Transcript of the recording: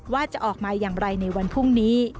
ว่าจะออกมาอย่างไรในวันพรุ่งนี้